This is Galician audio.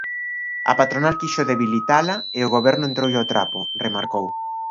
"A patronal quixo debilitala e o goberno entroulle ao trapo", remarcou.